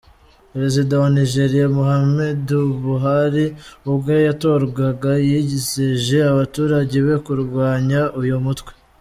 Perezida wa Nigeria Muhammadu Buhari ubwo yatorwaga yizeje abaturage be kurwanya uyu mutwe.